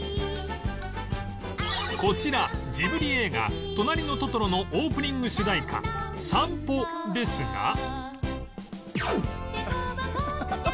こちらジブリ映画『となりのトトロ』のオープニング主題歌『さんぽ』ですが